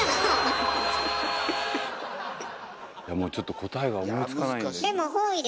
もうちょっと答えが思いつかないんで。